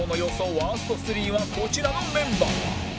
ワースト３はこちらのメンバー